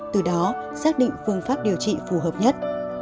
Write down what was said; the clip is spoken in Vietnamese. từ đó xác định phương pháp điều trị phù hợp nhất